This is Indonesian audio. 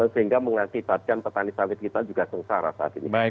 sehingga mengakibatkan petani sawit kita juga sengsara saat ini